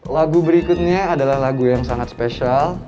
lagu berikutnya adalah lagu yang sangat spesial